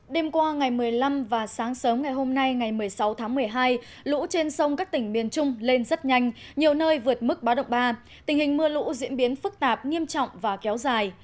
đêm qua ngày một mươi năm và sáng sớm ngày hôm nay ngày một mươi sáu tháng một mươi hai lũ trên sông các tỉnh miền trung lên rất nhanh nhiều nơi vượt mức báo động ba tình hình mưa lũ diễn biến phức tạp nghiêm trọng và kéo dài